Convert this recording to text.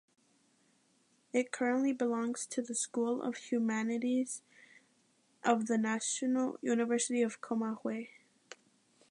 It currently belongs to the School of Humanities of the National University of Comahue.